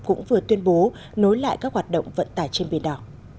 cũng vừa tuyên bố nối lại các hoạt động vận tải trên biển đảo